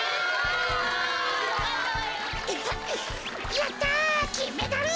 やったきんメダル。